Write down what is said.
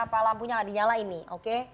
apa lampunya gak dinyala ini oke